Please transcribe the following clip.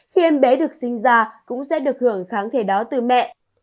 khi em bé được sinh ra cũng sẽ được hưởng kháng thể đó từ mẹ